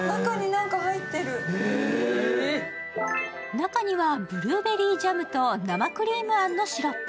中にはブルーベリージャムと生クリームあんのシロップ。